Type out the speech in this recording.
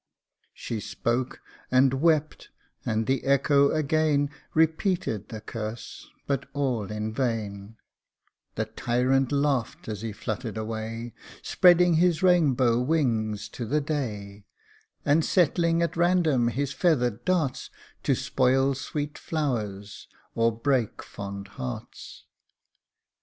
She spoke, and wept ; and the echo again Repeated the curse, but all in vain The tyrant laughed as he fluttered away, Spreading his rainbow wings to the day, And settling at random his feathered darts To spoil sweet flowers, or break fond hearts.